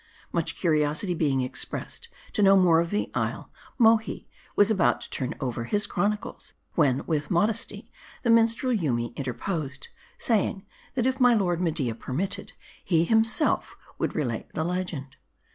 Much quriosity being expressed to know more of the isle, Mohi was about to turn over his chronicles, when, with modesty, the minstrel Yoomy interposed ; saying, that if my Lord Media permitted, he himself would relate the legend.